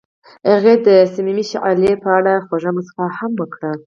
هغې د صمیمي شعله په اړه خوږه موسکا هم وکړه.